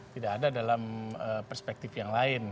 tidak ada dalam perspektif yang lain